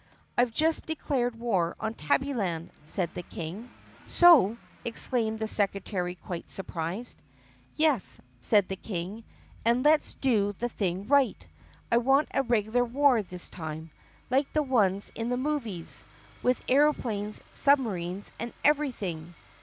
"I 've just declared war on Tabbyland," said the King. THE PUSSYCAT PRINCESS 107 ''So!" exclaimed the secretary quite surprised. "Yes," said the King, "and let 's do the thing right. I want a regular war this time, like the ones in the movies — with aeroplanes, submarines, and everything."